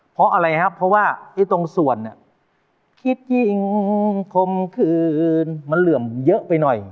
เพราะอะไรครับเพราะว่าไอ้ตรงส่วนคิดยิงคมคืนมันเหลื่อมเยอะไปหน่อย